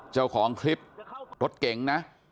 เจ้าของคลิปรถเก๋งนะ